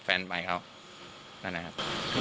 แฟนใหม่เขานั่นนะครับ